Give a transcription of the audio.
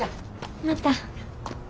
また。